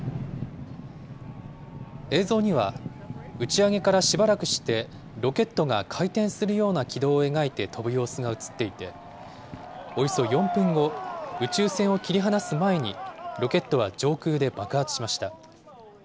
映像には打ち上げからしばらくしてロケットが回転するような軌道を描いて飛ぶ様子が写っていて、およそ４分後、宇宙船を切り離す前にロケットは上空で爆発しました。